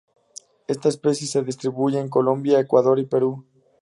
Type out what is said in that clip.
Esta especie se distribuye en Colombia, Ecuador, y Perú.